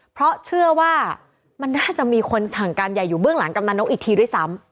เพราะเชื่อว่ามันน่าจะมีคนสั่งการใหญ่อยู่เบื้องหลังกำนันนกอีกทีด้วยซ้ำ